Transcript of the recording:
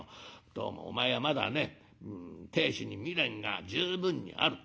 どうもお前はまだね亭主に未練が十分にある。